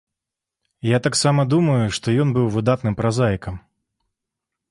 Я таксама думаю, што ён быў выдатным празаікам.